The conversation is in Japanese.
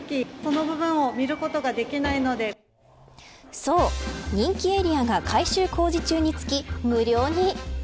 そう、人気エリアが改修工事中につき無料に。